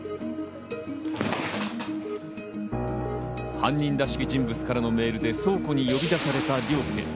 犯人らしき人物からのメールで倉庫に呼び出された凌介。